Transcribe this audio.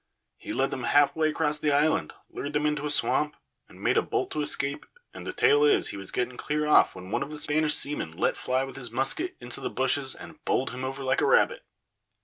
He led them halfway across the island, lured them into a swamp, and made a bolt to escape, and the tale is he was getting clear off when one of the Spanish seamen let fly with his musket into the bushes and bowled him over like a rabbit.